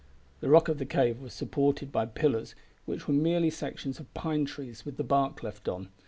The roof of the cave was supported by pillars which were merely sections of pine trees with the bark left on.